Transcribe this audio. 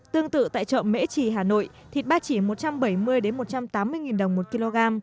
tương tự tại chợ mễ trì hà nội thịt ba chỉ một trăm bảy mươi một trăm tám mươi đồng một kg